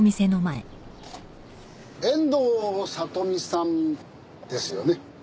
遠藤里実さんですよね？